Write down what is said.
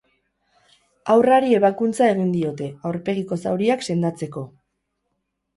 Haurrari ebakuntza egin diote, aurpegiko zauriak sendatzeko.